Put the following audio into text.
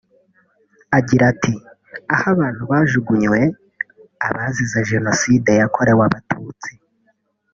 Agira ati “…aho abantu bajugunywe (abazize Jenoside yakorewe abatutsi)